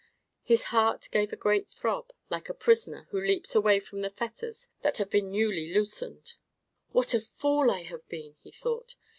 His heart gave a great throb, like a prisoner who leaps away from the fetters that have been newly loosened. "What a fool I have been!" he thought.